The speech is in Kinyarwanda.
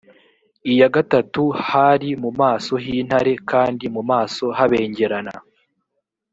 iya gatatu hari mu maso h intare kandi mu maso habengerana